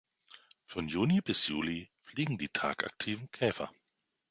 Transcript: Von Juni bis Juli fliegen die tagaktiven Käfer.